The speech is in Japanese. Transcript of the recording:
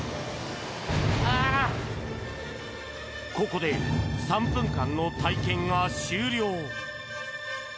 ここで、３分間の体験が終了。